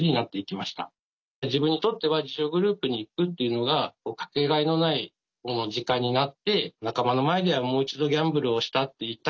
自分にとっては自助グループに行くっていうのがかけがえのない時間になって仲間の前ではもう一度ギャンブルをしたって言いたくない。